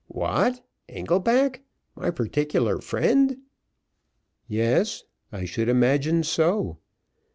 "What, Engelback? my particular friend?" "Yes, I should imagine so.